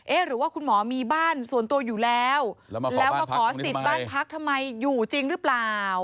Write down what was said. หรือว่าคุณหมอมีบ้านส่วนตัวอยู่แล้วแล้วมาขอสิทธิ์บ้านพักทำไมอยู่จริงหรือเปล่า